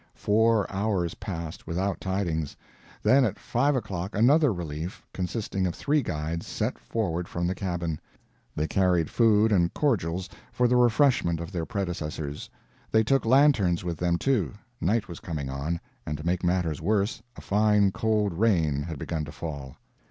Four hours passed, without tidings. Then at five o'clock another relief, consisting of three guides, set forward from the cabin. They carried food and cordials for the refreshment of their predecessors; they took lanterns with them, too; night was coming on, and to make matters worse, a fine, cold rain had begun to fall.